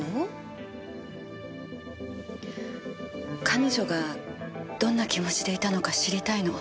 彼女がどんな気持ちでいたのか知りたいの。